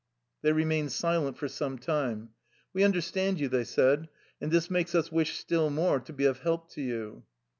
They remained silent for some time. " We understand you," they said, " and this makes us wish still more to be of help to you."